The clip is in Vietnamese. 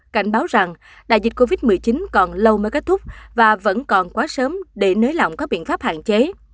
cảnh báo rằng đại dịch covid một mươi chín còn lâu mới kết thúc và vẫn còn quá sớm để nới lỏng các biện pháp hạn chế